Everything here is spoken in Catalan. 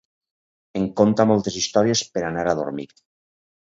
Em conta moltes històries per a anar a dormir.